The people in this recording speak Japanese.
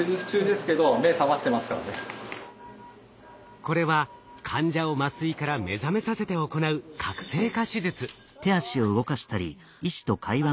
これは患者を麻酔から目覚めさせて行ううわすごいな。